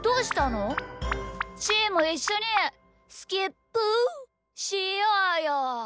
しーもいっしょにスキップゥしようよ。